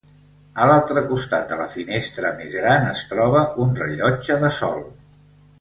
A l'altre costat de la finestra més gran es troba un rellotge de sol.